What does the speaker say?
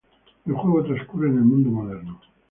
El juego transcurre en el mundo moderno.